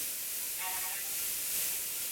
که د اتلانو یادونه وي نو روحیه لوړېږي.